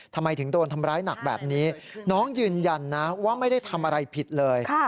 ทำไมถึงโดนทำร้ายหนักแบบนี้น้องยืนยันนะว่าไม่ได้ทำอะไรผิดเลย